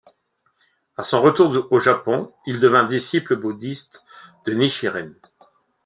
À son retour au Japon, il devint disciple bouddhiste de Nichiren.